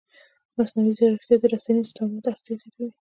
مصنوعي ځیرکتیا د رسنیز سواد اړتیا زیاتوي.